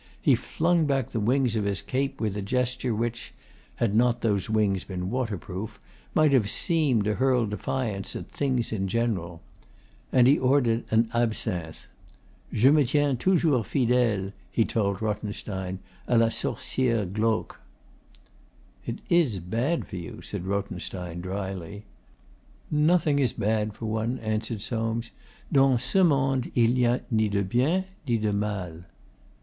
He flung back the wings of his cape with a gesture which had not those wings been waterproof might have seemed to hurl defiance at things in general. And he ordered an absinthe. 'Je me tiens toujours fidele,' he told Rothenstein, 'a la sorciere glauque.' 'It is bad for you,' said Rothenstein dryly. 'Nothing is bad for one,' answered Soames. 'Dans ce monde il n'y a ni de bien ni de mal.